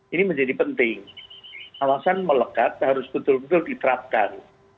ini menjadi penting alasan melekat harus betul betul diterapkan